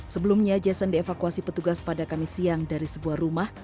sebelumnya jason dievakuasi petugas pada kamis siang dari sebuah rumah